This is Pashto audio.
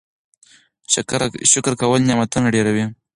شکر کول نعمتونه ډیروي.